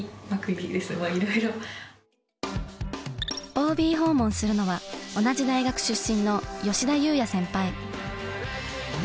ＯＢ訪問するのは同じ大学出身の吉田勇也先輩。